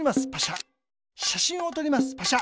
パシャ。